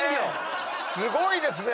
すごいですね。